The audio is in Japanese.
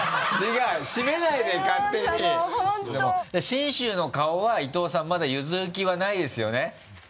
信州の顔は伊東さんまだ譲る気はないですよね？